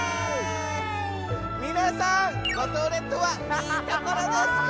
みなさん五島列島はいいところですか？